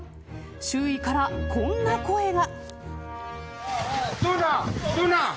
周囲から、こんな声が。